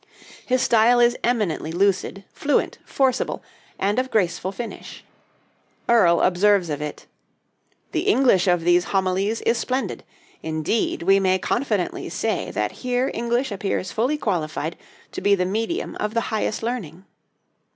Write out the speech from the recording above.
His style is eminently lucid, fluent, forcible, and of graceful finish. Earle observes of it: "The English of these Homilies is splendid; indeed, we may confidently say that here English appears fully qualified to be the medium of the highest learning."